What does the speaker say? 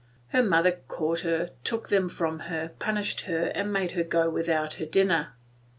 Her mother caught her, took them from her, punished her, and made her go without her dinner.